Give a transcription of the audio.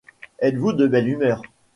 Êtes-vous de belle humeur ?